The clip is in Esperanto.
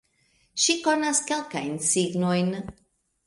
Ŝi konas kelkajn signojn